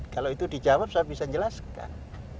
kalau itu dijawab saya bisa jelaskan